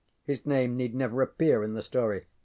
His name need never appear in the story.